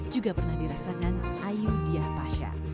juga pernah dirasakan ayu diapasya